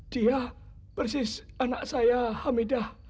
dia persis anak saya hamidah